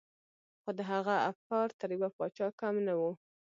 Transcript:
خو د هغه افکار تر يوه پاچا کم نه وو.